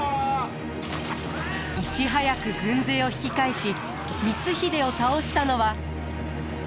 いち早く軍勢を引き返し光秀を倒したのは。